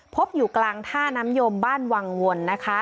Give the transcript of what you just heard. พบอยู่กลางท่าน้ำยมบ้านวังวลนะคะ